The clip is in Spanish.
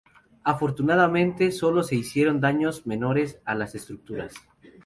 Afortunadamente, sólo se hicieron daños menores a las estructuras.